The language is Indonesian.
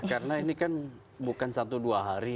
karena ini kan bukan satu dua hari